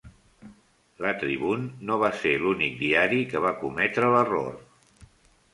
La "Tribune" no va ser l'únic diari que va cometre l'error.